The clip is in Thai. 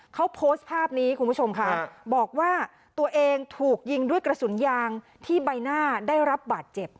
เขาโพสต์ภาพนี้คุณผู้ชมค่ะบอกว่าตัวเองถูกยิงด้วยกระสุนยางที่ใบหน้าได้รับบาดเจ็บ